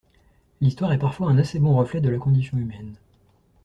L’histoire est parfois un assez bon reflet de la condition humaine.